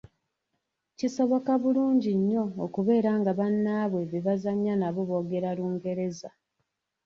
Kisoboka bulungi nnyo okubeera nga bannaabwe be bazannya nabo boogera Lungereza.